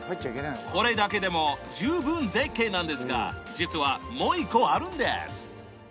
これだけでも十分絶景なんですが実はもう一個あるんです